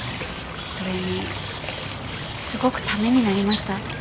それにすごくためになりました。